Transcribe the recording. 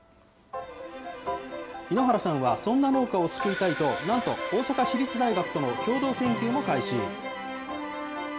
猪原さんはそんな農家を救いたいと、なんと大阪市立大学との共同研究も開始。